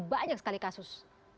banyak sekali kasus